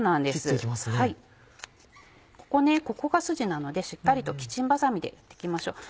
ここがスジなのでしっかりとキッチンばさみでやって行きましょう。